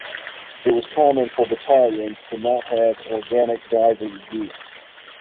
It was common for battalions to not have organic diving gear.